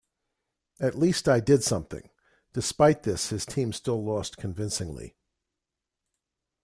At least I did something.' Despite this his team still lost convincingly.